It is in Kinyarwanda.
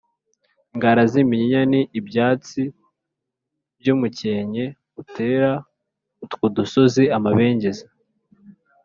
ingara z’iminyinya n’ibyatsi by’umukenke utera utwo dusozi amabengeza